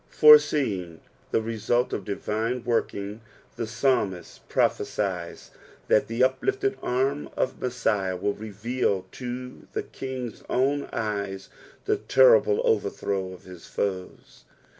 Foreseeing the result of divine working, tho psalmist prophesies that the uplifted arm of llessiah will reveal to the King's own c;es the terrible overthrow of his foes.